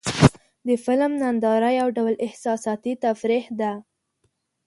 د فلم ننداره یو ډول احساساتي تفریح ده.